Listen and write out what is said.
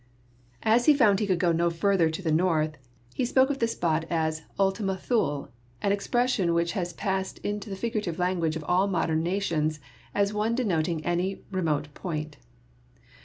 As he found he could go no farther to the north, he spoke of this spot as Ultima Thule, an expression which has passed into the figurative language of all modern na tions as one denoting any remote point.